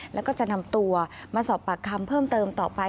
แล้วก็จะนำตัวมาสอบปากคำเพิ่มเติมต่อไป